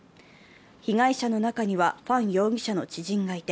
被害者の中にはファン容疑者の知人がて、